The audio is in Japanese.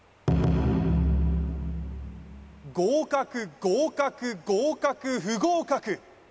合格合格合格不合格